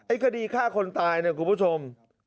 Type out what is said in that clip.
คดีฆ่าคนตายเนี่ยคุณผู้ชม